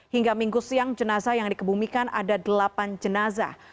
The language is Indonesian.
hingga minggu siang jenazah yang dikebumikan ada delapan jenazah